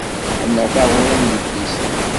Ḥemmleɣ taɣuri n yedlisen.